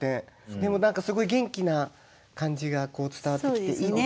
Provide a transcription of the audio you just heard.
でも何かすごい元気な感じが伝わってきていいですね。